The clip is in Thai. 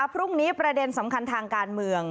พรุ่งนี้ประเด็นสำคัญทางการเมือง